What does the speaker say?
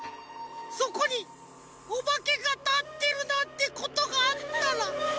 そこにおばけがたってるなんてことがあったら。